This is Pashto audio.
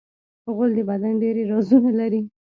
غول د بدن ډېری رازونه لري.